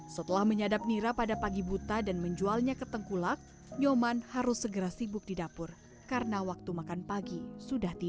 setelah menyadap nira pada pagi buta dan menjualnya ke tengkulak nyoman harus segera sibuk di dapur karena waktu makan pagi sudah tiba